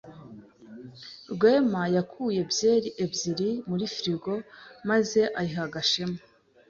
Rwema yakuye byeri ebyiri muri firigo maze ayiha Gashema.